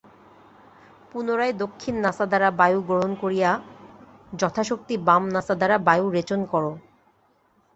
পুনরায় দক্ষিণ নাসা দ্বারা বায়ু গ্রহণ করিয়া যথাশক্তি বাম নাসা দ্বারা বায়ু রেচন কর।